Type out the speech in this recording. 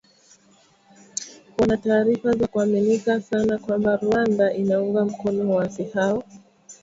wana taarifa za kuaminika sana kwamba Rwanda inaunga mkono waasi hao na